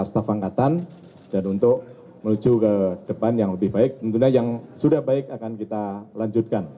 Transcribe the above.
tentunya yang sudah baik akan kita lanjutkan